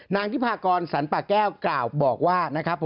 นางทิพากรสันปะแก้วกล่าวบอกว่า